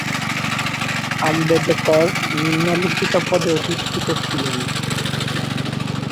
আম্বেদকর নিম্নলিখিত পদে অধিষ্ঠিত ছিলেন,